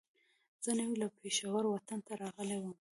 زه نوی له پېښوره وطن ته راغلی وم.